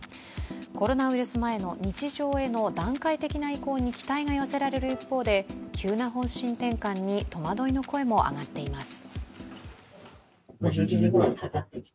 コロナウイルス前への日常への段階的な移行に期待が寄せられる一方で、急な方針転換に戸惑いの声も上がっています。